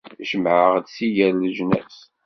Jmeɛ-aɣ-d si gar leǧnas.